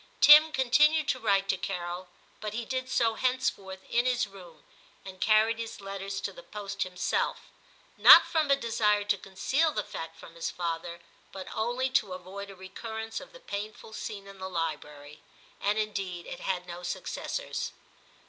Tim continued to write to Carol, but he did so henceforth in his room, and carried his letters to the post himself, not from a desire to conceal the fact from his father, but only to avoid a recurrence of the painful scene in the library ; and indeed it had no successors.